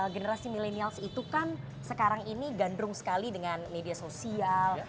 generasi milenials itu kan sekarang ini gandrung sekali dengan media sosial